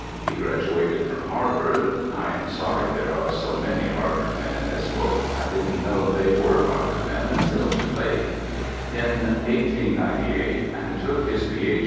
He graduated from Harvard (I am sorry there are so many Harvard men in this book: I didn't know they were Harvard men until too late) in 1898 and took his Ph.